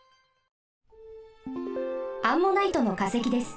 アンモナイトのかせきです。